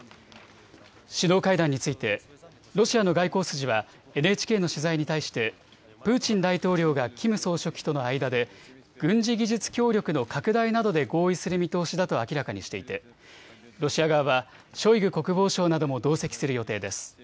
首脳会談についてロシアの外交筋はＮＨＫの取材に対してプーチン大統領がキム総書記との間で軍事技術協力の拡大などで合意する見通しだと明らかにしていてロシア側はショイグ国防相なども同席する予定です。